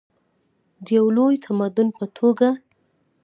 د یو لوی تمدن په توګه.